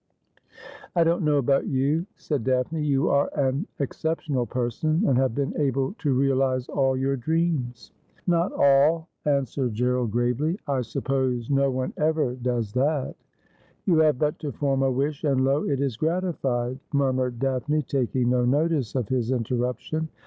' I don't know about you,' said Daphne ;' you are an excep tional person, and have been able to realise all your dreams !'' But I wot best wher ivringeth Me my Sho.' 273 ' Not all,' answered Gerald gravely :' I suppose no one ever does that.' ' You have but to form a wish, and, lo ! it is gratified,' mur mured Daphne, taking no notice of his interruption.